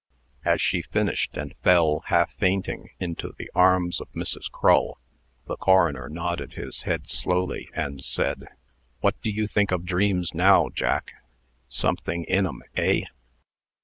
As she finished, and fell, half fainting, into the arms of Mrs. Crull, the coroner nodded his head slowly, and said: "What do you think of dreams now, Jack? Something in 'em, eh?"